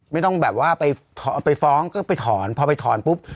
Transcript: ไม่ต้องแบบว่าไปฟ้องก็ไปถอนพอไปถอนปุ๊บ